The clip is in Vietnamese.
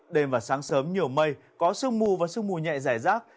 đêm và sáng sớm nhiều mây có sương mù và sương mù nhẹ giải rác